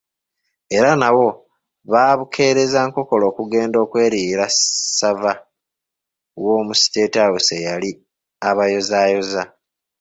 Era nabo baabukereza nkokola okugenda okweriila savva w’omu State House eyali abayozaayoza.